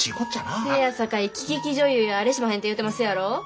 せやさかい喜劇女優やあれしまへんて言うてますやろ。